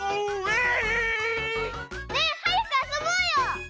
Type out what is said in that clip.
ねえはやくあそぼうよ！